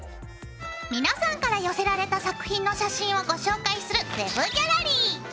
皆さんから寄せられた作品の写真をご紹介する「ＷＥＢギャラリー」。